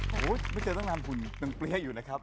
โอ้โหไม่เจอตั้งนานหุ่นตึงเปรี้ยอยู่นะครับ